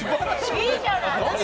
いいじゃない！